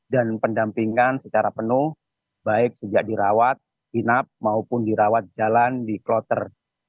dan pendampingkan secara penuh baik sejak dirawat hinap maupun dirawat jalan dikloter